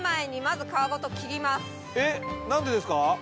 えっなんでですか？